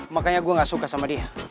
makanya gue gak suka sama dia